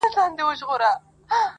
په دنیا کي « اول ځان پسې جهان دی »-